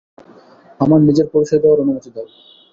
আমার নিজের পরিচয় দেওয়ার অনুমতি দাও।